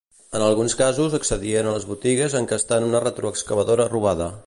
En alguns casos accedien a les botigues encastant una retroexcavadora robada.